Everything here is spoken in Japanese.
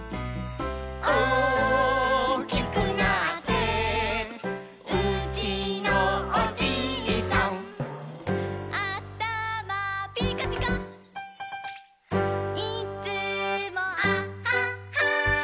「おおきくなってうちのおじいさん」「あたまぴっかぴか」「いつも」「あっはっは」